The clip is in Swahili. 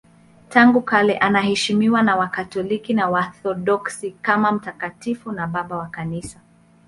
Tangu kale anaheshimiwa na Wakatoliki na Waorthodoksi kama mtakatifu na Baba wa Kanisa.